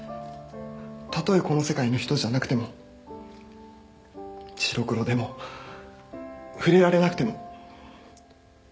たとえこの世界の人じゃなくても白黒でも触れられなくても。